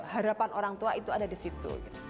harapan orang tua itu ada di situ